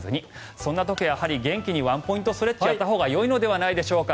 そんな時は、やはり元気にワンポイントストレッチをやったほうがよいのではないでしょうか。